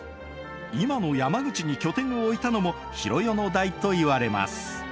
今の山口に拠点を置いたのも弘世の代といわれます。